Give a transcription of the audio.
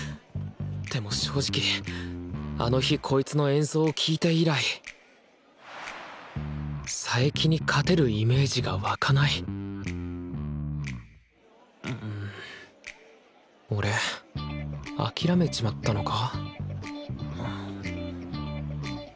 でも正直あの日こいつの演奏を聴いて以来佐伯に勝てるイメージが湧かない俺諦めちまったのか？